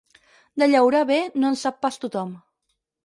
De llaurar bé no en sap pas tothom.